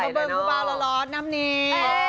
เบิ้งบรูบาระรอดน้ำนี